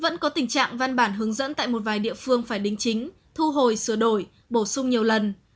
vẫn có tình trạng văn bản hướng dẫn tại một vài địa phương phải đính chính thu hồi sửa đổi bổ sung nhiều lần